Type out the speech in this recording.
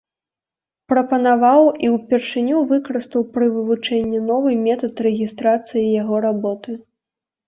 Прапанаваў і ўпершыню выкарыстаў пры вывучэнні новы метад рэгістрацыі яго работы.